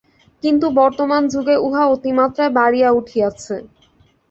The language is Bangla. কিন্তু বর্তমান যুগে উহা অতিমাত্রায় বাড়িয়া উঠিয়াছে।